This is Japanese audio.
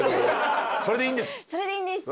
それでいいんです。